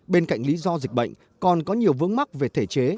bên cạnh lý do dịch bệnh còn có nhiều vướng mắc về thể chế